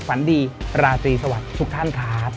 ฝันดีราตรีสวัสดีทุกท่านครับ